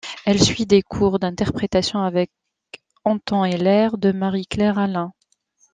Elle suit des cours d'interprétation avec Anton Heiller et Marie-Claire Alain.